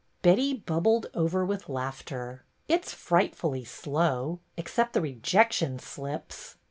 Betty bubbled over with laughter. '' It 's frightfully slow — except the rejection slips.